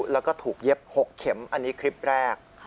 แล้วก็ถูกเย็บ๖เข็มอันนี้คลิปแรก